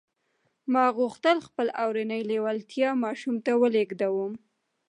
ما غوښتل خپله اورنۍ لېوالتیا ماشوم ته ولېږدوم